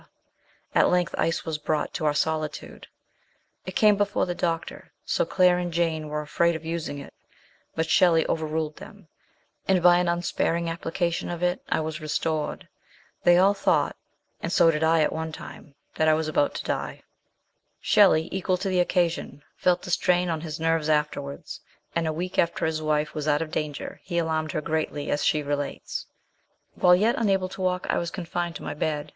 At length ice was brought to our solitude; it came before the doctor, so Claire and Jane were afraid of using it ; but Shelley over ruled them, and, by an unsparing appli cation of it, I was restored. They all thought, and so did I at one time, that I was about to die." Shelley, equal to the occasion, felt the strain on his nerves afterwards, and a week after his wife was out of danger he alarmed her greatly, as . he relates :" While yet unable to walk, I was confined to my bed.